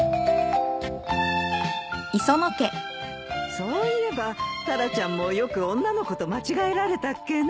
そういえばタラちゃんもよく女の子と間違えられたっけね。